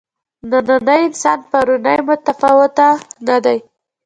نننی انسان پروني متفاوته نه دي.